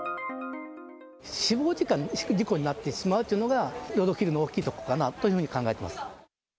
死亡事故になってしまうというのが、ロードキルの大きいところかなと考えています。